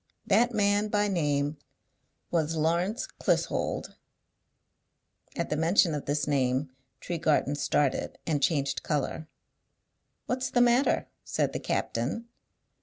That man by name was Lawrence Clissold." At the mention of this name Tregarthen started and changed colour. "What's the matter?" said the captain.